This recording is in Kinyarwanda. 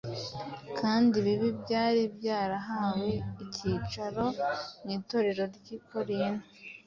kandi bibi byari byarahawe icyicaro mu itorero ry’i korinto.